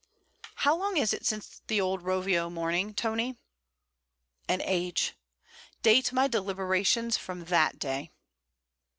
'How long is it since the old Rovio morning, Tony?' 'An age.' 'Date my deliberations from that day.'